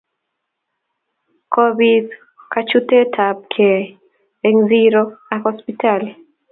kobit kachutet ab kei eng zero ak hosiptalit